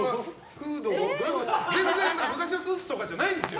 全然、昔のスーツとかじゃないんですよ。